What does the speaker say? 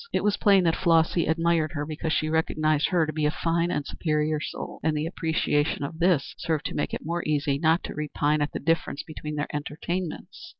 It was plain that Flossy admired her because she recognized her to be a fine and superior soul, and the appreciation of this served to make it more easy not to repine at the difference between their entertainments.